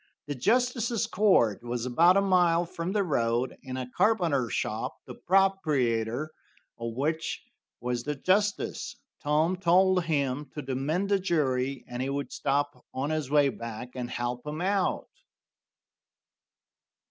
The justice's court was about a mile from the road, in a carpenter shop, the proprietor of which was the justice. Tom told him to demand a jury, and he would stop on his way back and help him out.